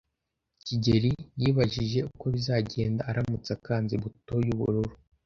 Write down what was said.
kigeli yibajije uko bizagenda aramutse akanze buto yubururu.